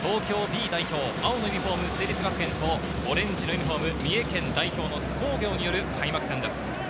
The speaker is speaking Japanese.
東京Ｂ代表、青のユニホーム・成立学園と、オレンジのユニホーム・三重県代表の津工業による開幕戦です。